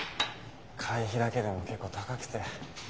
会費だけでも結構高くて。